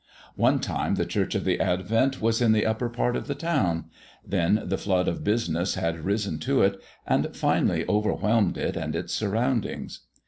One time the Church of the Advent was in the upper part of the town; then the flood of business had risen to it, and finally overwhelmed it and its surroundings.